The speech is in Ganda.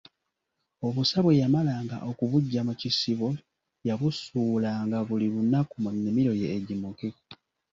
Obusa bwe yamalanga okubuggya mu kisibo yabusuulanga buli lunaku mu nnimiro ye egimuke.